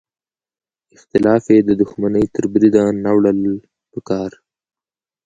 اختلاف یې د دوښمنۍ تر بریده نه وړل پکار.